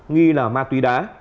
nghi là ma túy đá